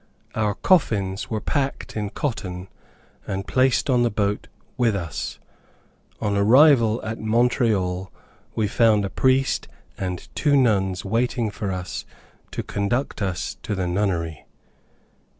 Our coffins were packed in cotton, and placed on the boat with us. On our arrival at Montreal, we found a priest and two nuns waiting for us to conduct us to the nunnery.